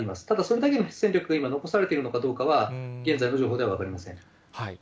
ただそれだけの戦略が今、残されているのかどうかは現在の情報では分かりません。